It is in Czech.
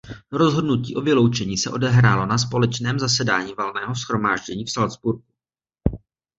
Rozhodnutí o vyloučení se odehrálo na společném zasedání valného shromáždění v Salcburku.